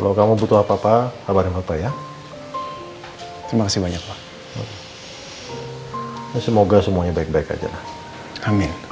sampai jumpa di video selanjutnya